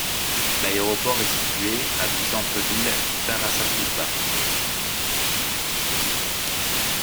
L'aéroport est situé à du centre-ville d'Araçatuba.